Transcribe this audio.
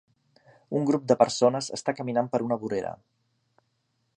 Un grup de persones estan caminant per una vorera.